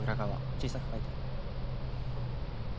小さく書いてある。